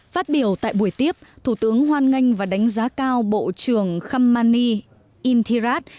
phát biểu tại buổi tiếp thủ tướng hoan nganh và đánh giá cao bộ trưởng khamanei intilat